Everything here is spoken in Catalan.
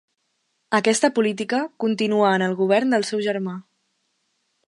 Aquesta política continuà en el govern del seu germà.